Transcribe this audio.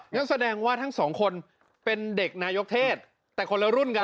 ยังแสดงทั้ง๒คนเป็นเด็กนายกเทศแต่คนละรุ่นกัน